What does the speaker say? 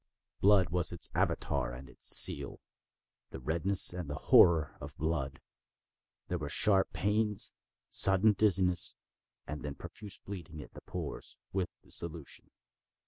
Blood was its Avatar and its seal—the redness and the horror of blood. There were sharp pains, and sudden dizziness, and then profuse bleeding at the pores, with dissolution.